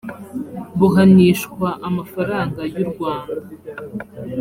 buhanishwa amafaranga y u rwanda